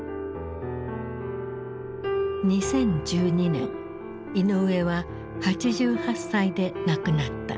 ２０１２年イノウエは８８歳で亡くなった。